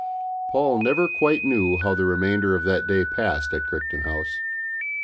Paul never quite knew how the remainder of that day passed at Crichton House.